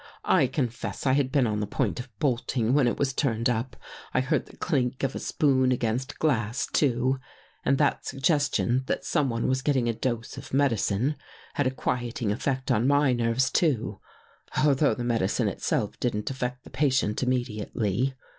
I confess I had been on the point of bolting when it was turned up. I heard the clink of a spoon against glass, too, and that suggestion that someone was getting a dose of medicine had a quieting effect on my nerves, too, although the medicine itself didn't affect the patient immediately.